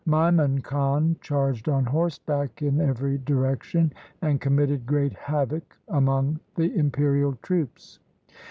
Maimun Khan charged on horseback in every direction and committed great havoc among the imperial troops.